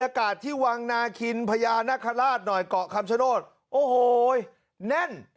อากาศที่วังนาคินพญานาคาราชหน่อยเกาะคำชโนธโอ้โหแน่น